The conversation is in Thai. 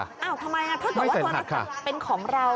อ้าวทำไมถ้าบอกว่าตัวนี้เป็นของเรา